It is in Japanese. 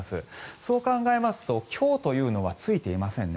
そう考えますと今日というのはついていませんね。